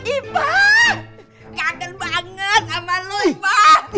iba kaget banget sama lu iba